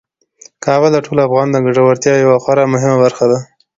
کابل د ټولو افغانانو د ګټورتیا یوه خورا مهمه برخه ده.